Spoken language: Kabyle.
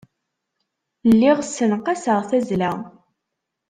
Lliɣ ssenqaseɣ tazzla.